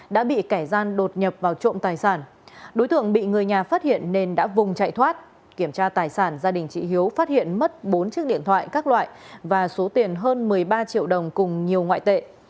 đã bị kẻ gian đột nhập vào trộm tài sản đối tượng bị người nhà phát hiện nên đã vùng chạy thoát kiểm tra tài sản gia đình chị hiếu phát hiện mất bốn chiếc điện thoại các loại và số tiền hơn một mươi ba triệu đồng cùng nhiều ngoại tệ